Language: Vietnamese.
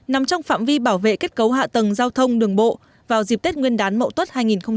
nằm trong phạm vi bảo vệ kết cấu hạ tầng giao thông đường bộ vào dịp tết nguyên đán mậu tuất hai nghìn hai mươi